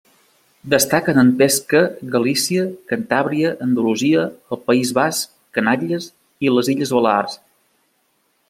Destaquen en pesca Galícia, Cantàbria, Andalusia, el País Basc, Canàries i les Illes Balears.